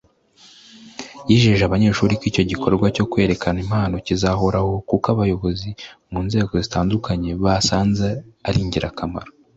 yijeje aba banyeshuri ko icyo gikorwa cyo kwerekana impano kizahoraho kuko abayobozi mu nzego zitandukanye basanze ari ingirakamaro